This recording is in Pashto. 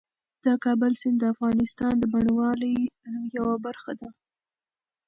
د کابل سیند د افغانستان د بڼوالۍ یوه برخه ده.